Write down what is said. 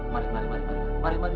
mari mari pak hasan